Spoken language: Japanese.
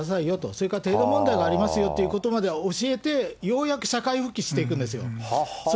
それから程度問題がありますよということまでは教えて、ようやく社会復帰していくんですよ。